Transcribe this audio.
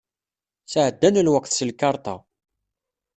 Sεeddan lweqt s lkarṭa.